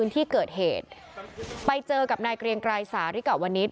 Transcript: ที่เกิดเหตุไปเจอกับนายเกรียงไกรสาริกาวนิษฐ